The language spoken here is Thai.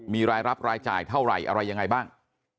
มีรายรับรายจ่ายเท่าไหร่อะไรยังไงบ้าง